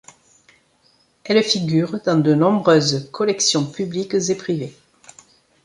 Elles figurent dans de nombreuses collections publiques et privées.